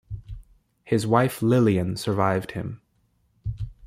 His wife Lillian survived him.